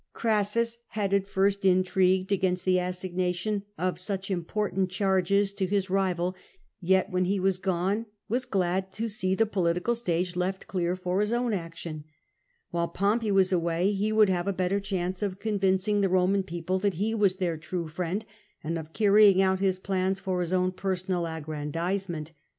Orassiis had at first intrigued against the assignation of such important charges to his rival, yet, when he was gone, was glad to see the political stage left clear for his own action. While Pompey was away, he would have a better chance of convincing the Roman people that he was their true friend, and of cariy ing out his plans for his own personal aggrandisement.